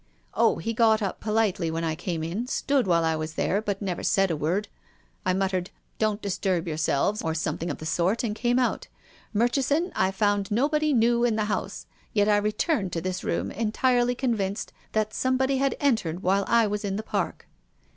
" Oh, he got up politely when I came in, stood while I was there, but never said a word. I mut tered ' don't disturb yourselves,' or something of PROFESSOR GUILDEA. 289 he sort, and came out. Murchison, I found no body new in the house — yet I returned to this room entirely convinced that somebody had en tered while I was in the Park."